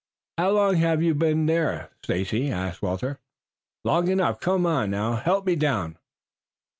"How long have you been there, Stacy?" asked Walter. "Long enough. Come, help me down."